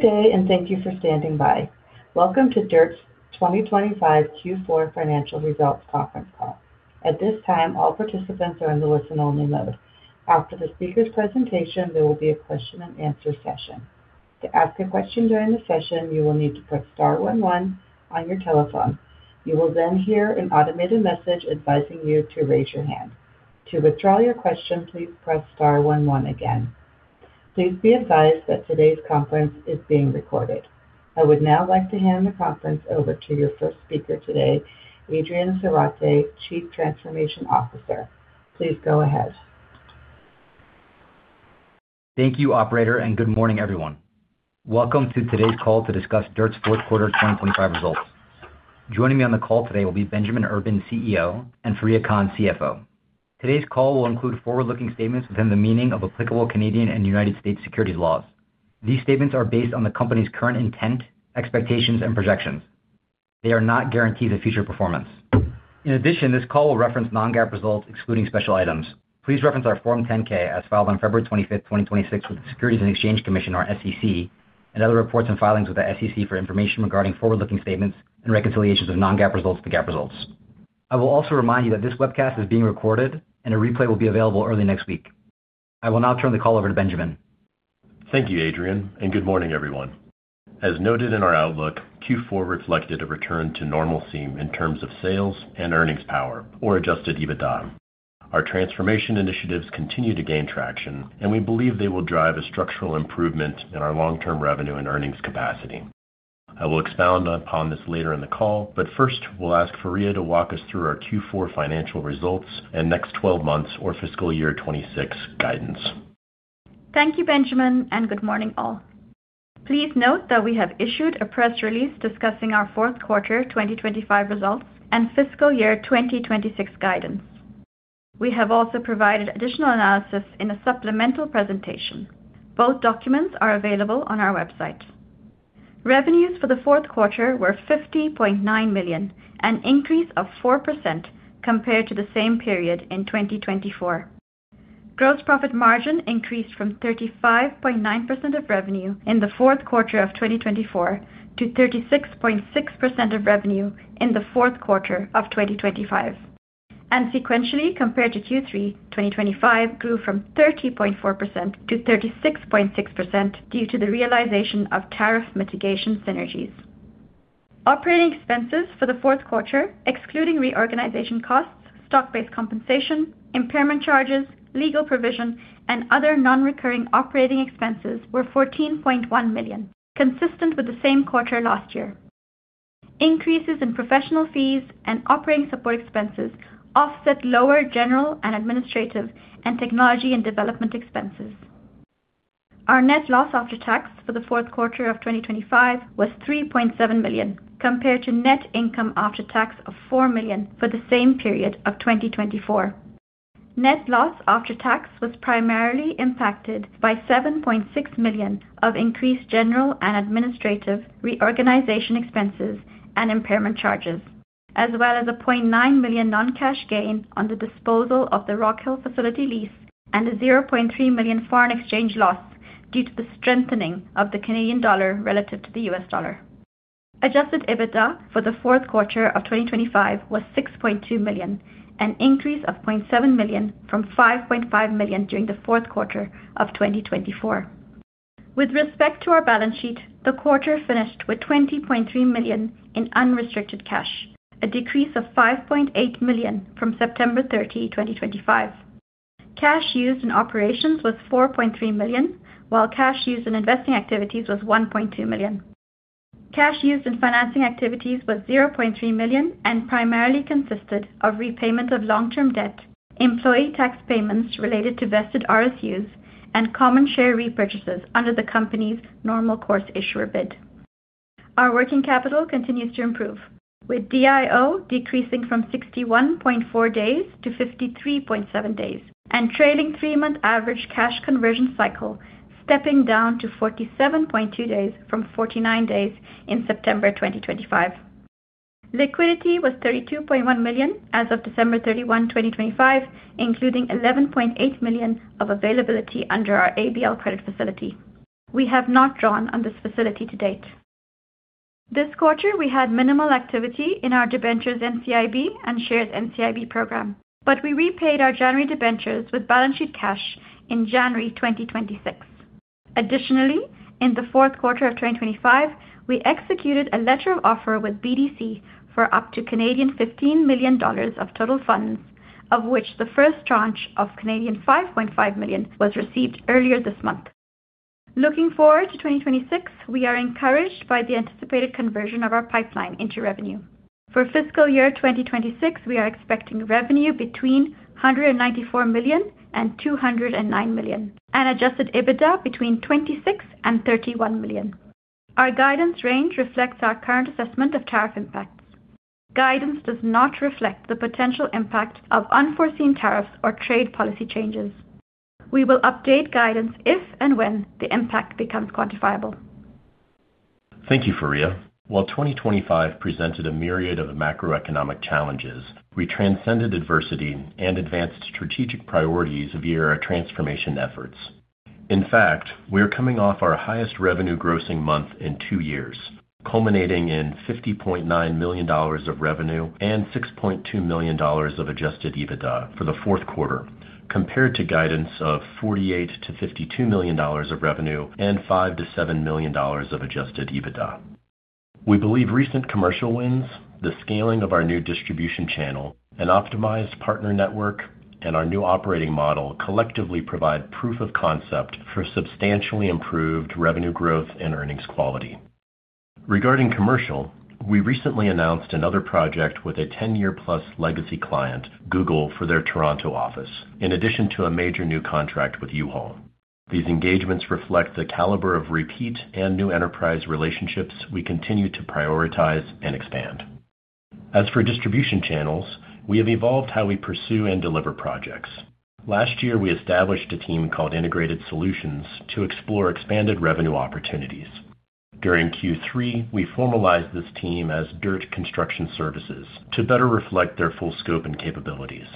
Good day. Thank you for standing by. Welcome to DIRTT's 2025 Q4 Financial Results Conference Call. At this time, all participants are in the listen-only mode. After the speaker's presentation, there will be a question-and-answer session. To ask a question during the session, you will need to press star one one on your telephone. You will hear an automated message advising you to raise your hand. To withdraw your question, please press star one one again. Please be advised that today's conference is being recorded. I would now like to hand the conference over to your first speaker today, Adrian Zarate, Chief Transformation Officer. Please go ahead. Thank you, operator. Good morning, everyone. Welcome to today's call to discuss DIRTT's Fourth Quarter 2025 Results. Joining me on the call today will be Benjamin Urban, CEO, and Fareeha Khan, CFO. Today's call will include forward-looking statements within the meaning of applicable Canadian and United States securities laws. These statements are based on the company's current intent, expectations, and projections. They are not guarantees of future performance. In addition, this call will reference non-GAAP results, excluding special items. Please reference our Form 10-K as filed on February 25, 2026, with the Securities and Exchange Commission, or SEC, and other reports and filings with the SEC for information regarding forward-looking statements and reconciliations of non-GAAP results to GAAP results. I will also remind you that this webcast is being recorded, and a replay will be available early next week. I will now turn the call over to Benjamin. Thank you, Adrian, and good morning, everyone. As noted in our outlook, Q4 reflected a return to normalcy in terms of sales and earnings power or Adjusted EBITDA. Our transformation initiatives continue to gain traction, and we believe they will drive a structural improvement in our long-term revenue and earnings capacity. I will expound upon this later in the call, but first, we'll ask Fareeha to walk us through our Q4 financial results and next 12 months or fiscal year 2026 guidance. Thank you, Benjamin, and good morning, all. Please note that we have issued a press release discussing our fourth quarter 2025 results and fiscal year 2026 guidance. We have also provided additional analysis in a supplemental presentation. Both documents are available on our website. Revenues for the fourth quarter were $50.9 million, an increase of 4% compared to the same period in 2024. Gross profit margin increased from 35.9% of revenue in the fourth quarter of 2024 to 36.6% of revenue in the fourth quarter of 2025, and sequentially compared to Q3, 2025 grew from 30.4% to 36.6% due to the realization of tariff mitigation synergies. Operating expenses for the fourth quarter, excluding reorganization costs, stock-based compensation, impairment charges, legal provision, and other non-recurring operating expenses, were $14.1 million, consistent with the same quarter last year. Increases in professional fees and operating support expenses offset lower general and administrative and technology and development expenses. Our net loss after tax for the fourth quarter of 2025 was $3.7 million, compared to net income after tax of $4 million for the same period of 2024. Net loss after tax was primarily impacted by $7.6 million of increased general and administrative reorganization expenses and impairment charges, as well as a $0.9 million non-cash gain on the disposal of the Rock Hill facility lease and a $0.3 million foreign exchange loss due to the strengthening of the Canadian dollar relative to the US dollar. Adjusted EBITDA for the fourth quarter of 2025 was $6.2 million, an increase of $0.7 million from $5.5 million during the fourth quarter of 2024. With respect to our balance sheet, the quarter finished with $20.3 million in unrestricted cash, a decrease of $5.8 million from September 30, 2025. Cash used in operations was $4.3 million, while cash used in investing activities was $1.2 million. Cash used in financing activities was $0.3 million and primarily consisted of repayment of long-term debt, employee tax payments related to vested RSUs, and common share repurchases under the company's normal course issuer bid. Our working capital continues to improve, with DIO decreasing from 61.4 days to 53.7 days, and trailing three-month average cash conversion cycle stepping down to 47.2 days from 49 days in September 2025. Liquidity was $32.1 million as of December 31, 2025, including $11.8 millions of availability under our ABL credit facility. We have not drawn on this facility to date. This quarter, we had minimal activity in our debentures NCIB and shares NCIB program, but we repaid our January debentures with balance sheet cash in January 2026. Additionally, in the fourth quarter of 2025, we executed a letter of offer with BDC for up to 15 million Canadian dollars of total funds, of which the first tranche of 5.5 million Canadian dollars was received earlier this month. Looking forward to 2026, we are encouraged by the anticipated conversion of our pipeline into revenue. For fiscal year 2026, we are expecting revenue between $194 million and $209 million, and Adjusted EBITDA between $26 million and $31 million. Our guidance range reflects our current assessment of tariff impacts. Guidance does not reflect the potential impact of unforeseen tariffs or trade policy changes. We will update guidance if and when the impact becomes quantifiable. Thank you, Fareeha. While 2025 presented a myriad of macroeconomic challenges, we transcended adversity and advanced strategic priorities of year transformation efforts. In fact, we are coming off our highest revenue grossing month in two years, culminating in $50.9 million of revenue and $6.2 million of Adjusted EBITDA for the fourth quarter, compared to guidance of $48 million-$52 million of revenue and $5 million-$7 million of Adjusted EBITDA. We believe recent commercial wins, the scaling of our new distribution channel, an optimized partner network, and our new operating model collectively provide proof of concept for substantially improved revenue growth and earnings quality. Regarding commercial, we recently announced another project with a 10-year plus legacy client, Google, for their Toronto office, in addition to a major new contract with U-Haul. These engagements reflect the caliber of repeat and new enterprise relationships we continue to prioritize and expand. For distribution channels, we have evolved how we pursue and deliver projects. Last year, we established a team called Integrated Solutions to explore expanded revenue opportunities. During Q3, we formalized this team as DIRTT Construction Services to better reflect their full scope and capabilities.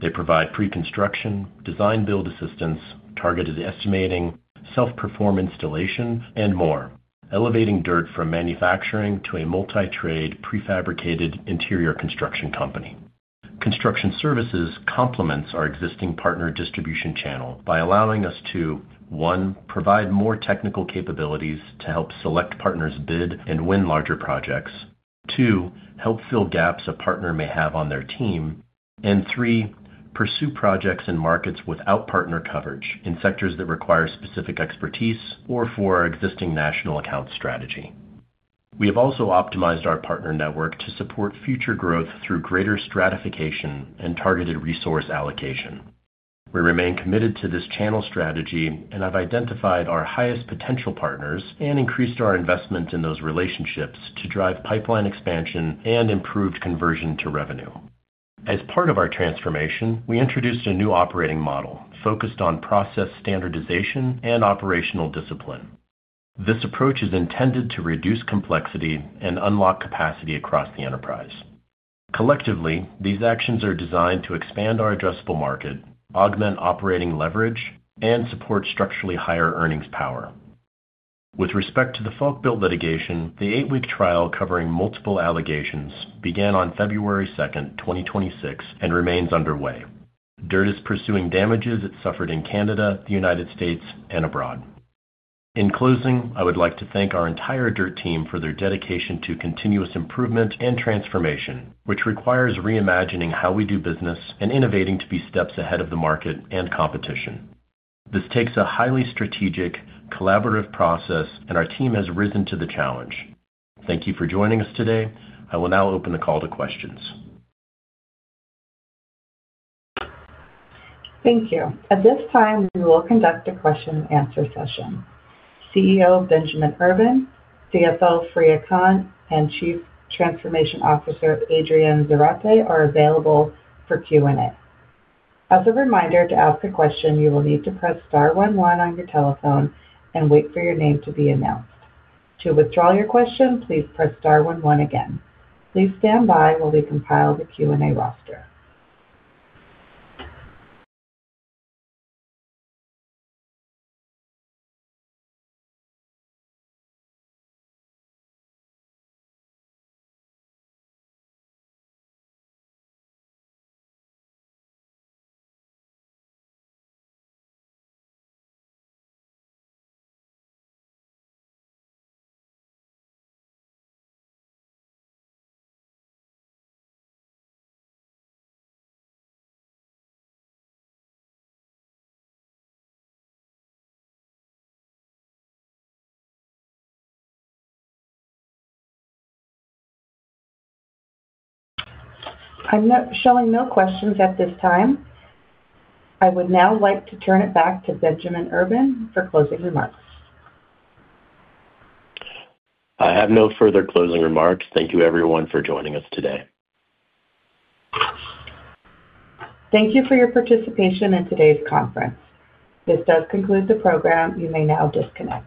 They provide pre-construction, design-build assistance, targeted estimating, self-perform installation, and more, elevating DIRTT from manufacturing to a multi-trade, prefabricated interior construction company. DIRTT Construction Services complements our existing partner distribution channel by allowing us to, one, provide more technical capabilities to help select partners bid and win larger projects. Two, help fill gaps a partner may have on their team. Three, pursue projects in markets without partner coverage, in sectors that require specific expertise, or for our existing national account strategy. We have also optimized our partner network to support future growth through greater stratification and targeted resource allocation. We remain committed to this channel strategy and have identified our highest potential partners and increased our investment in those relationships to drive pipeline expansion and improved conversion to revenue. As part of our transformation, we introduced a new operating model focused on process standardization and operational discipline. This approach is intended to reduce complexity and unlock capacity across the enterprise. Collectively, these actions are designed to expand our addressable market, augment operating leverage, and support structurally higher earnings power. With respect to the Falkbuilt litigation, the eight-week trial covering multiple allegations began on February 2, 2026, and remains underway. DIRTT is pursuing damages it suffered in Canada, the United States, and abroad. In closing, I would like to thank our entire DIRTT team for their dedication to continuous improvement and transformation, which requires reimagining how we do business and innovating to be steps ahead of the market and competition. This takes a highly strategic, collaborative process, and our team has risen to the challenge. Thank you for joining us today. I will now open the call to questions. Thank you. At this time, we will conduct a question-and-answer session. CEO, Benjamin Urban, CFO, Fareeha Khan, and Chief Transformation Officer, Adrian Zarate, are available for Q&A. As a reminder, to ask a question, you will need to press star one one on your telephone and wait for your name to be announced. To withdraw your question, please press star one one again. Please stand by while we compile the Q&A roster. I'm not showing no questions at this time. I would now like to turn it back to Benjamin Urban for closing remarks. I have no further closing remarks. Thank you, everyone, for joining us today. Thank you for your participation in today's conference. This does conclude the program. You may now disconnect.